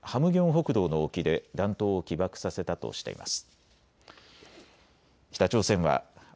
北道の沖で弾頭を起爆させたとしています。